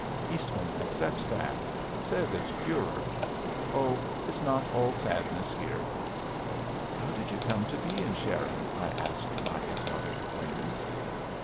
Eastman accepts that. Says it's purer. Oh, it's not all sadness here!" "How did you come to be in Sharon?" I asked my exotic acquaintance.